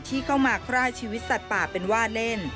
ที่เข้ามาคร่ายชีวิตสัตว์ป่าเป็นว่าเล่น